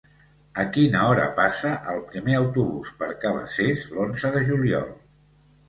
A quina hora passa el primer autobús per Cabacés l'onze de juliol?